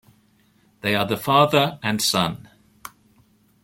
They are the Father and Son.